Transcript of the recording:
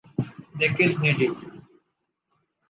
Their kids need it